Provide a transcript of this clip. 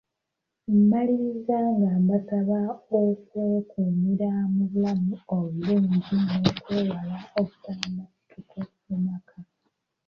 Mmaliriza nga mbasaba okwekuumira mu bulamu obulungi n'okwewala obusambattuko mu maka.